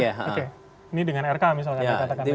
ini dengan rk misalnya